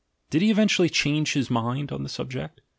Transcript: Did he event ually change Ids mind on the subject?